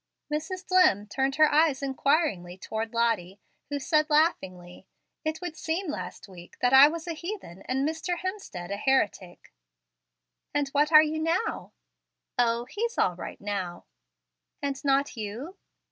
Mrs. Dlimm turned her eyes inquiringly toward Lottie, who said, laughingly, "It would seem, last week, that I was a heathen and Mr. Hemstead a heretic." "And what are you now?" "O, he's all right now." "And not you?"